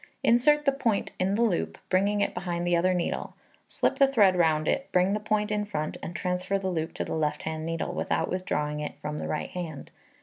Insert the point in the loop, bringing it behind the other needle, slip the thread round it, bring the point in front, and transfer the loop to the left hand needle without withdrawing it from the right hand.